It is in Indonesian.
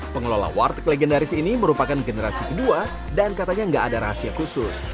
pengelola warteg legendaris ini merupakan generasi kedua dan katanya nggak ada rahasia khusus